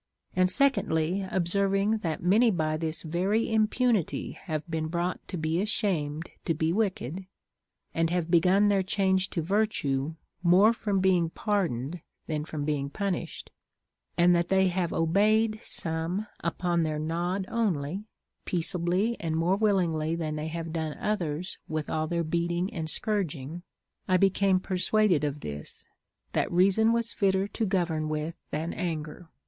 And secondly, observ ing that many by this very impunity have been brought to be ashamed to be wicked, and have begun their change to virtue more from being pardoned than from being pun ished, and that they have obeyed some upon their nod only, peaceably, and more willingly than they have done others with all their beating and scourging, I became persuaded of this, that reason Avas fitter to govern with than anger.